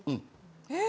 ・えっ！